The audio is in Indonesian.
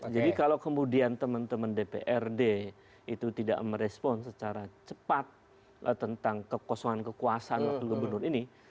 jadi kalau kemudian teman teman dprd itu tidak merespon secara cepat tentang kekosongan kekuasaan wakil gubernur ini